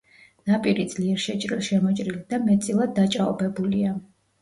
ნაპირი ძლიერ შეჭრილ-შემოჭრილი და მეტწილად დაჭაობებულია.